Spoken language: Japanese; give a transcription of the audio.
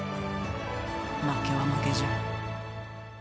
負けは負けじゃ。